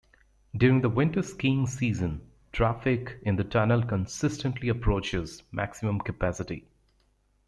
During the winter skiing season, traffic in the tunnel consistently approaches maximum capacity.